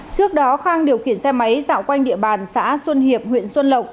trước đó khang điều khiển xe máy dạo quanh địa bàn xã xuân hiệp huyện xuân lộc